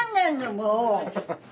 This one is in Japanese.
もう。